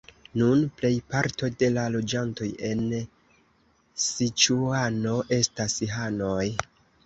Nun plejparto de la loĝantoj en Siĉuano estas hanoj.